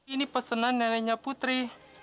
ini pesenan neneknya putri